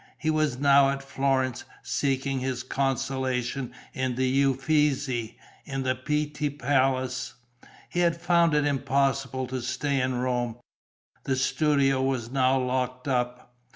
He was now at Florence, seeking his consolation in the Uffizi, in the Pitti Palace. He had found it impossible to stay in Rome; the studio was now locked up.